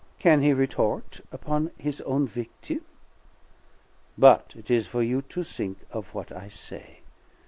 Can he retort upon his own victim? But it is for you to think of what I say.